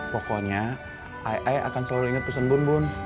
pokoknya ai ai akan selalu inget pesan bun bun